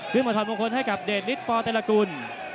เพื่อมาถอดมงคลให้กับเดะริดปอล์แต่ละกุล